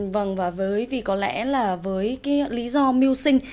vâng và với vì có lẽ là với cái lý do mưu sinh